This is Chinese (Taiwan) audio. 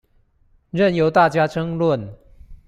任由大家爭論